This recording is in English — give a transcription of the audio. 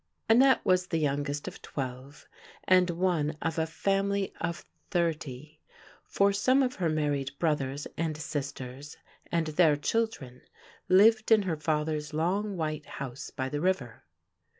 Annette was the youngest of twelve, and one of a family of thirty — for some of her married brothers and sisters and their children lived in her father's long white house by the river.